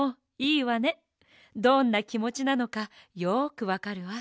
どんなきもちなのかよくわかるわ。